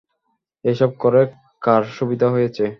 এসব করে কার সুবিধা হয়েছে?